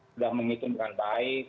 sudah menghitung dengan baik